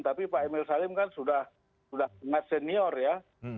tapi pak emil salim kan sudah sangat senior ya